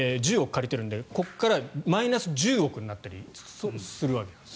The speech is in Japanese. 借りているのでここからマイナス１０億になったりするわけです。